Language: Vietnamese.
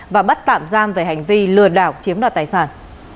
và bắt tạm giam về hành vi lừa đảo chiếm đoạt tài sản